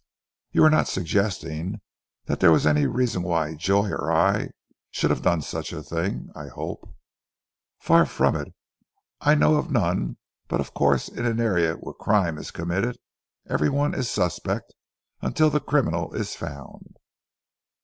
"You are not suggesting that there was any reason why Joy or I should have done such a thing, I hope?" "Far from it. I know of none, but of course in an area where crime is committed every one is suspect until the criminal is found."